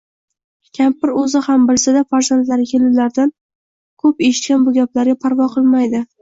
Kampir oʻzi ham bilsa-da, farzandlari, kelinlaridan-da koʻp eshitgan bu gaplarga parvo qilmaydi.